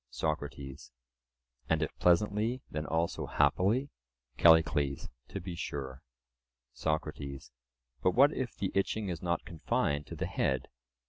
SOCRATES: And if pleasantly, then also happily? CALLICLES: To be sure. SOCRATES: But what if the itching is not confined to the head?